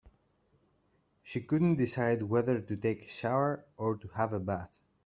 She couldn't decide whether to take a shower or to have a bath.